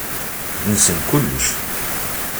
Nessen kullec.